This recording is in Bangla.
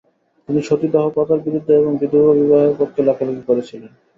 তিনি সতীদাহ প্রথার বিরুদ্ধে এবং বিধবা-বিবাহের পক্ষে লেখালেখি করেছিলেন ।